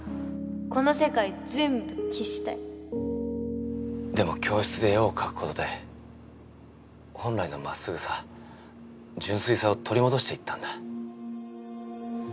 この世界全部消したいでも教室で絵を描くことで本来の真っすぐさ純粋さを取り戻していったんだ。